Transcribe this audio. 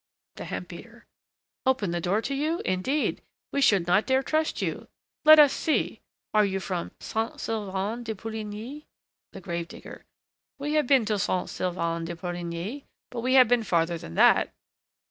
THE HEMP BEATER. Open the door to you? indeed! we should not dare trust you. Let us see: are you from Saint Sylvain de Pouligny? THE GRAVE DIGGER. We have been to Saint Sylvain de Pouligny, but we have been farther than that.